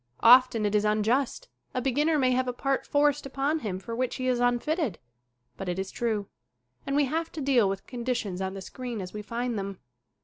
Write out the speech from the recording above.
Often it is unjust a beginner may have a part forced upon him for which he is unfitted. But it is true. And we have to deal with conditions on the screen as we find them.